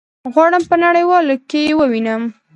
غواړم په نړيوالو کي يي ووينم